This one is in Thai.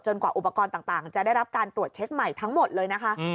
กว่าอุปกรณ์ต่างจะได้รับการตรวจเช็คใหม่ทั้งหมดเลยนะคะ